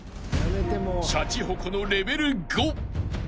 ［シャチホコのレベル５］